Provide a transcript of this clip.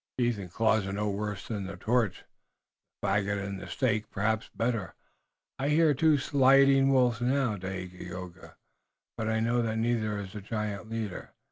"Teeth and claws are no worse than the torch, the faggot and the stake, perhaps better. I hear two sliding wolves now, Dagaeoga, but I know that neither is the giant leader.